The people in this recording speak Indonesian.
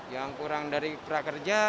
yang kurang dari prakerja